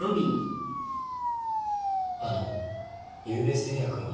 あのゆうべ星也くんは？